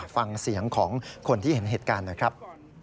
ฟังเสียงของคนที่เห็นเหตุการณ์หน่อยครับ